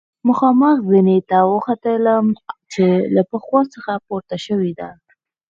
مخامخ زینې ته وختلم چې له پخوا څخه پورته شوې ده.